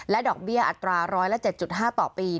และดอกเบี้ยอัตราร้อยละ๗๕ต่อปี